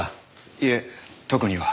いえ特には。